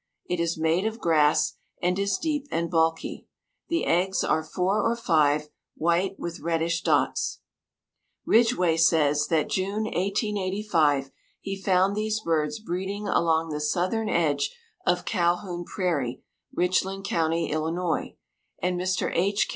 It is made of grass, and is deep and bulky. The eggs are four or five, white, with reddish dots. Ridgway says that June, 1885, he found these birds breeding along the southern edge of Calhoun Prairie, Richland county, Illinois, and Mr. H.